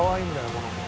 この子。